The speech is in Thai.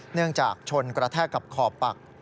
เนื่องจากชนกระแทกกับขอบปัก